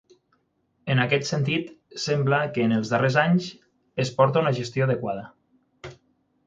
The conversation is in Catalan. En aquest sentit sembla que en els darrers anys es porta una gestió adequada.